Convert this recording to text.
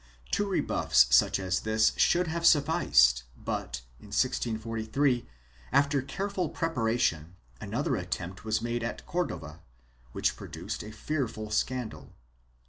Two rebuffs such as this should have sufficed but, in 1643, after careful preparation, another attempt was made at Cordova, which produced a fearful scandal.